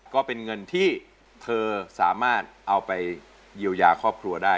ก็เป็นเงินที่เธอสามารถเอาไปเยียวยาครอบครัวได้